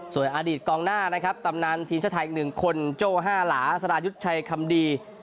ส่วนอดีตกองหน้านะครับตำนานทีมชาติไทยอีก๑คนโจ้ห้าหลาสรายุทธ์ชัยคำดี